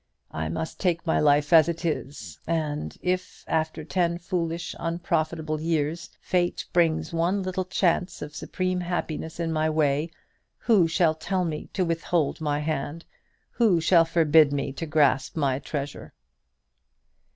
I must take my life as it is; and if, after ten foolish, unprofitable years, Fate brings one little chance of supreme happiness in my way, who shall tell me to withhold my hand? who shall forbid me to grasp my treasure?"